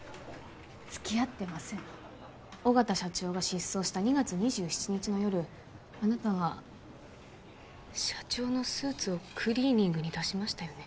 付き合ってません緒方社長が失踪した２月２７日の夜あなたは社長のスーツをクリーニングに出しましたよね？